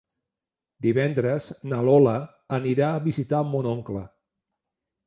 Divendres na Lola anirà a visitar mon oncle.